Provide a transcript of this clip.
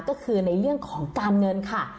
ก็คือในเรื่องของการเงินค่ะ